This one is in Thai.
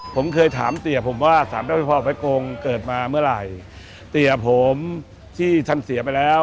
ผมเคยถามเตี๋ยผมว่าสารเจ้าพ่อไปโกงเกิดมาเมื่อไหร่เตี๋ยผมที่ท่านเสียไปแล้ว